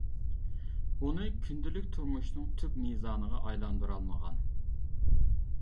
ئۇنى كۈندىلىك تۇرمۇشىنىڭ تۈپ مىزانىغا ئايلاندۇرالمىغان.